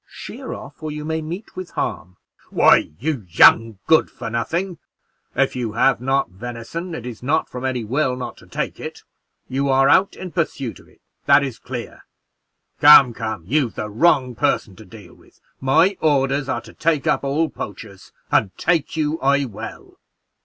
Sheer off, or you may meet with harm." "Why, you young good for nothing, if you have not venison, it is not from any will not to take it; you are out in pursuit of it, that is clear. Come, come, you've the wrong person to deal with; my orders are to take up all poachers, and take you I will."